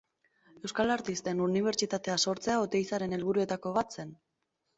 Euskal Artisten Unibertsitatea sortzea Oteizaren helburuetako bat zen.